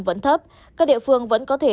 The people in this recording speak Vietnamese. vẫn thấp các địa phương vẫn có thể